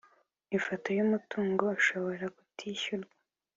ifoto y umutungo ushobora kutishyurwa